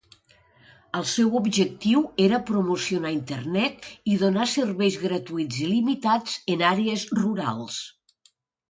El seu objectiu era promocionar Internet i donar serveis gratuïts il·limitats en àrees rurals.